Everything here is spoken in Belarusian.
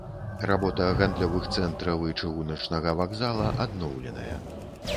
Работа гандлёвых цэнтраў і чыгуначнага вакзала адноўленая.